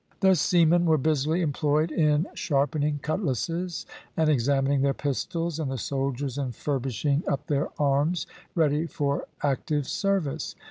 The seamen were busily employed in sharpening cutlasses and examining their pistols, and the soldiers in furbishing up their arms ready for active service.